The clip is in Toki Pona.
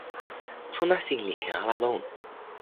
sona sin li ken ala lon.